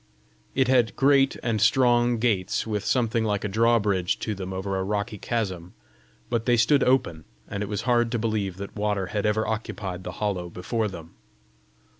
It had great and strong gates, with something like a drawbridge to them over a rocky chasm; but they stood open, and it was hard to believe that water had ever occupied the hollow before them.